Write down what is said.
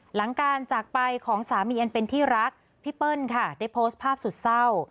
หลังการจากไปของสามีอันเป็นที่รักพี่เปิ้ลค่ะได้โพสต์ภาพสุดเศร้า